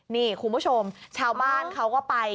นี่คุณผู้ชมชาวบ้านเขาก็ไป